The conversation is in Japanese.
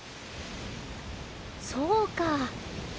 そうか。